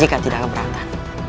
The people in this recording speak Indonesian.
jika tidak keberatan